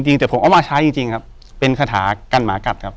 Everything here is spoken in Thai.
จริงแต่ผมเอามาใช้จริงจริงครับเป็นคาถากันหมากัดครับ